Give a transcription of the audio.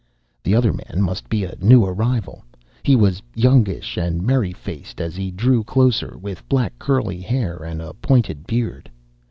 The other man must be a new arrival. He was youngish and merry faced as he drew closer, with black curly hair and a pointed beard.